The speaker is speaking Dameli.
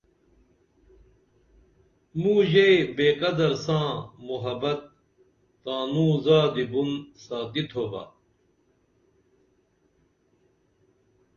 موں ژے بےقدر ساں محبت تانوں زادی بُن ساتی تھوبہ